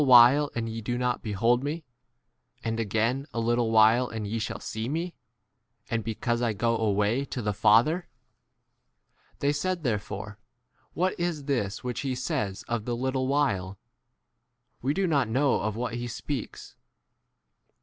he says to us, A little [Virile] and ye do not behold me ; and again a little [while] and ye shall see me, and because I* go away to the 18 Father ? They said therefore, What is this which he says [of] the little [while] ? We do not 19 know [of] what he speaks.